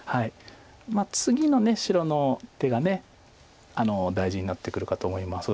まあ次の白の手が大事になってくるかと思います。